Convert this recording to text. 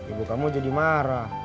ibu kamu jadi marah